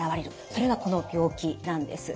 それがこの病気なんです。